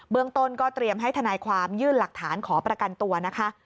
เมืองต้นก็เตรียมให้ทนายความยื่นหลักฐานขอประกันตัวนะคะ